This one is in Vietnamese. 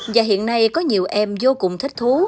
và hiện nay có nhiều em vô cùng thích thú